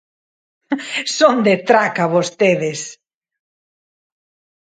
¡Son de traca vostedes!